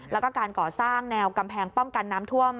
แล้วก็การก่อสร้างแนวกำแพงป้องกันน้ำท่วม